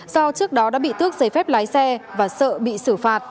do trước đó đã bị tước giấy phép lái xe và sợ bị xử phạt